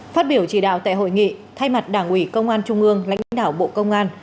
phát biểu chỉ đạo tại hội nghị thay mặt đảng ủy công an trung ương lãnh đạo bộ công an